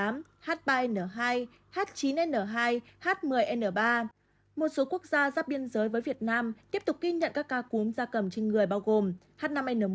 một số quốc gia giáp biên giới với việt nam tiếp tục ghi nhận các ca cúm da cầm trên người bao gồm h năm n một h chín n hai